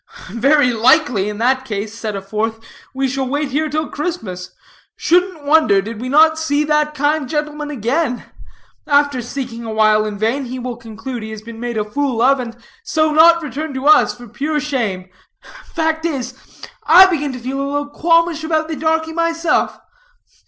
"Very likely, in that case," said a fourth, "we shall wait here till Christmas. Shouldn't wonder, did we not see that kind gentleman again. After seeking awhile in vain, he will conclude he has been made a fool of, and so not return to us for pure shame. Fact is, I begin to feel a little qualmish about the darkie myself.